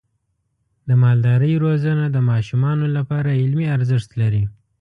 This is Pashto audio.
د مالدارۍ روزنه د ماشومانو لپاره علمي ارزښت لري.